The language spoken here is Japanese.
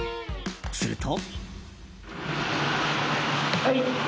すると。